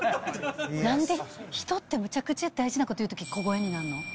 なんで人って、めちゃくちゃ大事なこと言うとき、小声になんの？